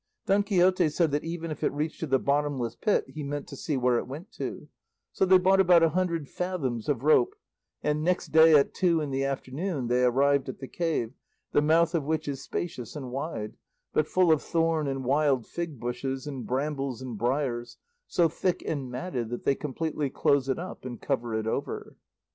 Don Quixote said that even if it reached to the bottomless pit he meant to see where it went to; so they bought about a hundred fathoms of rope, and next day at two in the afternoon they arrived at the cave, the mouth of which is spacious and wide, but full of thorn and wild fig bushes and brambles and briars, so thick and matted that they completely close it up and cover it over.